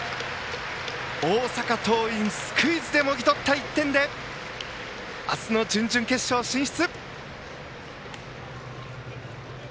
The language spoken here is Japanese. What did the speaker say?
大阪桐蔭、スクイズでもぎ取った１点で明日の準々決勝進出。